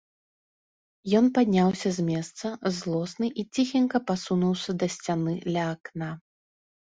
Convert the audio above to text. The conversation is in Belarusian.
Ён падняўся з месца злосны і ціхенька пасунуўся да сцяны ля акна.